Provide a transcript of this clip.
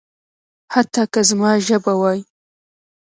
حتی که زما ژبه وايي.